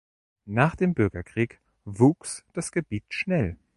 Nach dem Bürgerkrieg wuchs das Gebiet schnell.